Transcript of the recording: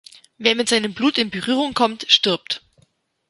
Wer mit seinem Blut in Berührung kommt, stirbt.